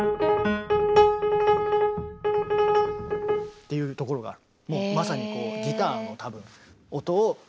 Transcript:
っていうところがある。